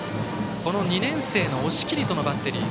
２年生の押切とのバッテリー。